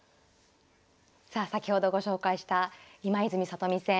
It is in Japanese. さあ先ほどご紹介した今泉・里見戦。